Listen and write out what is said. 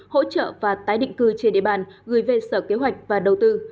hỗ trợ và tái định cư trên địa bàn gửi về sở kế hoạch và đầu tư